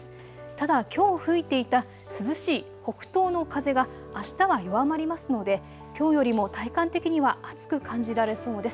ただ、きょう吹いていた涼しい北東の風があしたは弱まりますのできょうよりも体感的には暑く感じられそうです。